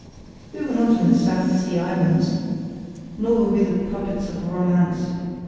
We were not in the South Sea Islands; nor were we the puppets of a romance.